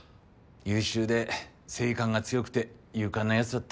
優秀で正義感が強くて勇敢なヤツだった。